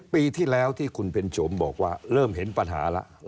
ปีที่แล้วที่คุณเพ็ญโฉมบอกว่าเริ่มเห็นปัญหาแล้ว